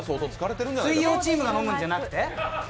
水曜チームが飲むんじゃなくて？